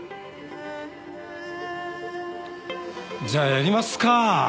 じゃあやりますか。